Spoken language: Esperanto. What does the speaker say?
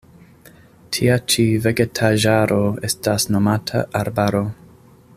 Tia ĉi vegetaĵaro estas nomata arbaro.